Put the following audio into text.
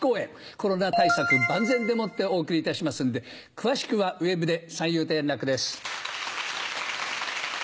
コロナ対策万全でもってお送りいたしますんで詳しくはウェブで三遊亭円楽です。